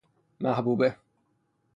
محبوبه